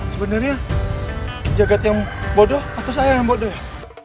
sebenarnya gijagat yang bodoh atau saya yang bodoh ya